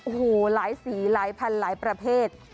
โอ้โหหลายสีหลายพันหลายประเภท